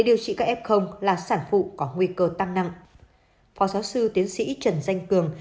điều trị các f là sản phụ có nguy cơ tăng nặng phó giáo sư tiến sĩ trần danh cường